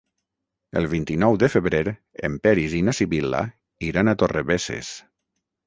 El vint-i-nou de febrer en Peris i na Sibil·la iran a Torrebesses.